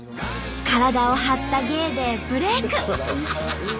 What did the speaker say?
体を張った芸でブレーク。